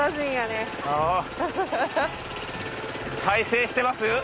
再生してます？